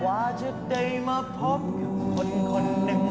ว่าจะได้มาพบกับคนคนหนึ่ง